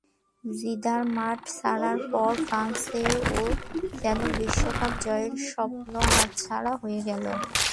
Zidane মাঠ ছাড়ার পর ফ্রান্সেরও যেন বিশ্বকাপ জয়ের স্বপ্ন হাতছাড়া হয়ে গেল।